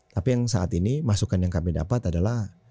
tapi yang saat ini masukan yang kami dapat adalah